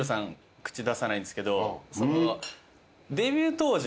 口出さないんすけど。